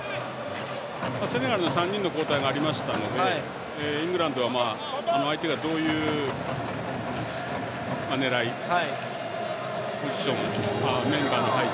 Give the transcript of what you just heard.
セネガルの３人の交代がありましたのでイングランドは相手がどういう狙い、ポジションメンバーの配置